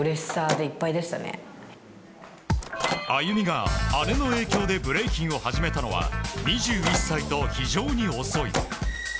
ＡＹＵＭＩが姉の影響でブレイキンを始めたのは２１歳と非常に遅い。